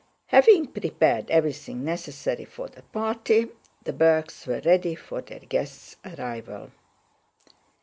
Having prepared everything necessary for the party, the Bergs were ready for their guests' arrival.